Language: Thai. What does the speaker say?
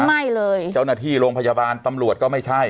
ไม่เลยเจ้าหน้าที่โรงพยาบาลตำรวจก็ไม่ใช่